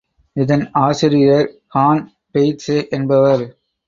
இதன் ஆசிரியர் ஹான் பெயிட்ஸே என்பவர்!